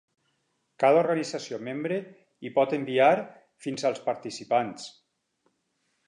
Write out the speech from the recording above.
Cada organització membre hi pot enviar fins als participants.